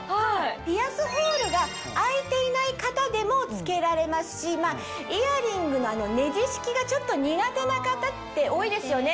ピアスホールが開いていない方でも着けられますしイヤリングのネジ式がちょっと苦手な方って多いですよね。